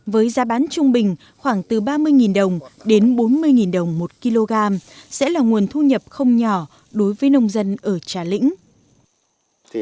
với giá bán trung bình khoảng từ ba mươi đồng đến bốn mươi đồng một kg sẽ là nguồn thu nhập không nhỏ đối với nông dân ở trà lĩnh